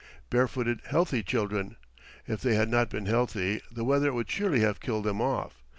Barefooted, healthy children! If they had not been healthy the weather would surely have killed them off.